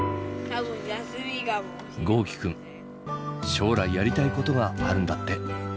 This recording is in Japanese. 豪輝くん将来やりたいことがあるんだって。